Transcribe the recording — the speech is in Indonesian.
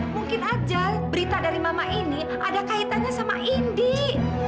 mungkin aja berita dari mama ini ada kaitannya sama indik